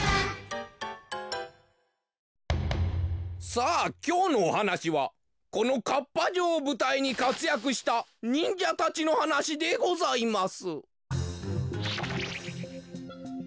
さあきょうのおはなしはこのかっぱ城をぶたいにかつやくしたにんじゃたちのはなしでございます。